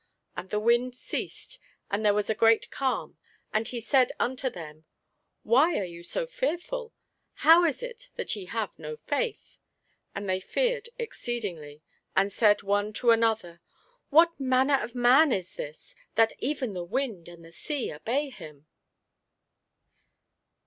And the wind ceased, and there was a great calm. And he said unto them, Why are ye so fearful? how is it that ye have no faith? And they feared exceedingly, and said one to another, What manner of man is this, that even the wind and the sea obey him?